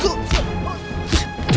kau sudah menguasai jurusmu